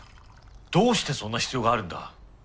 どうしてそんな必要があるんだ？